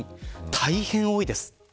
大変多いです。